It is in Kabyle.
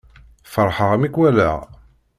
Feṛḥeɣ mi k-wallaɣ